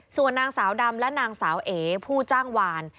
ส่วนนางสาวดำและนางสาวเอผู้จ้างวาน